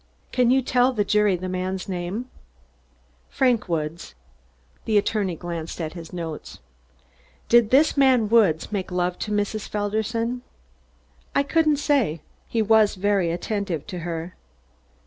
"Can you tell the jury that man's name?" "Frank Woods." The attorney glanced at his notes. "Did this man Woods make love to Mrs. Felderson?" "I couldn't say. He was very attentive to her."